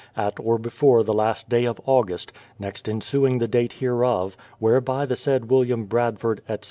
at or before the last day of August, next ensuing the date hereof, whereby the said William Bradford, etc.